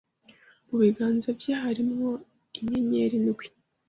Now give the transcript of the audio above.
Mu biganza bye harimo inyenyeri ndwi,